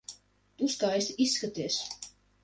Tu skaisti izskaties.